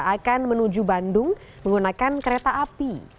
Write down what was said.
akan menuju bandung menggunakan kereta api